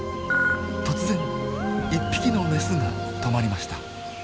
突然１匹のメスが止まりました。